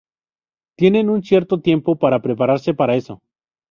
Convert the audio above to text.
Tienen un cierto tiempo para prepararse para eso.